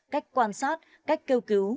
cách quan sát cách kêu cứu